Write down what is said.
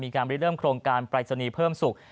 มีการบริเริ่มโครงการปลายศนีเพิ่มสุข